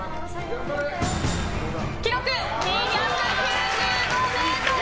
記録２９５ｍ！